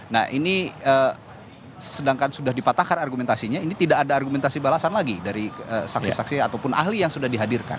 nah ini sedangkan sudah dipatahkan argumentasinya ini tidak ada argumentasi balasan lagi dari saksi saksi ataupun ahli yang sudah dihadirkan